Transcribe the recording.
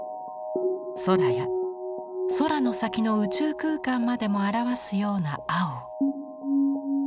空や空の先の宇宙空間までも表すような青を。